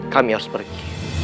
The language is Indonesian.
kami harus pergi